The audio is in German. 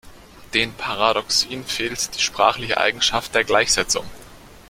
Den Paradoxien fehlt die sprachliche Eigenschaft der Gleichsetzung.